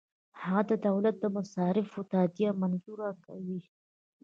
هغه د دولت د مصارفو تادیه منظوره کوي.